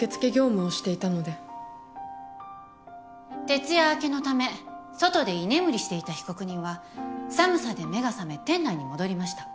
徹夜明けのため外で居眠りしていた被告人は寒さで目が覚め店内に戻りました。